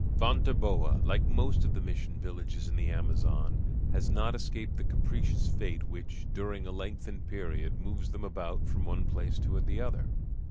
Fonteboa, like most of the mission villages of the Amazon, has not escaped the capricious fate which, during a lengthened period, moves them about from one place to the other.